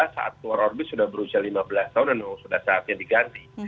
dua ribu lima belas saat keluar orbit sudah berusia lima belas tahun dan sudah saatnya diganti